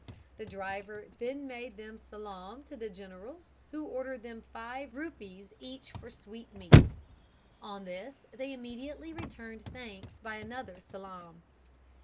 The driver then made them salaam to the general, who ordered them five rupees each for sweetmeats. On this they immediately returned thanks by another salaam.